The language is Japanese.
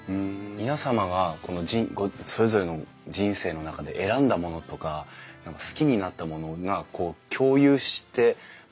皆様がそれぞれの人生の中で選んだものとか好きになったものがこう共有して交わって